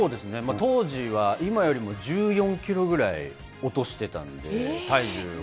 当時は今よりも１４キロぐらい落としてたんで、体重を。